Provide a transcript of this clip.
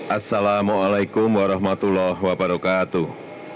assalamualaikum warahmatullahi wabarakatuh